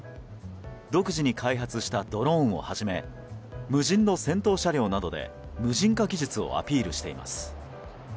独自に開発したドローンをはじめ無人の戦闘車両などで無人化技術をアピールしています。